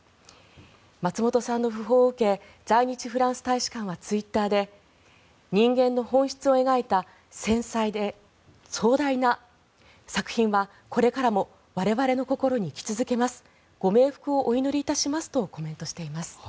松本さんの訃報を受け在日フランス大使館はツイッターで人間の本質を描いた繊細で壮大な作品はこれからも我々の心に生き続けますご冥福をお祈りいたしますとコメントしています。